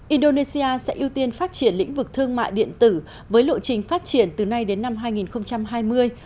indonesia sẽ ưu tiên phát triển lĩnh vực thương mại điện tử với lộ trình phát triển từ nay đến năm hai nghìn hai mươi